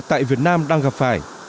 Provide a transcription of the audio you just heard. tại việt nam đang gặp phải